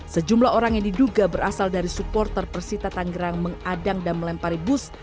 sejumlah orang yang diduga berasal dari supporter persita tanggerang mengadang dan melempari bus